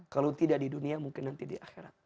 kalau tidak di dunia mungkin nanti di akhirat